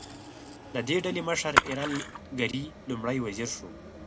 د دې ډلې مشر ایرل ګرې لومړی وزیر شو.